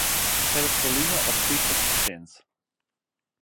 Set it folume op fyftich persint.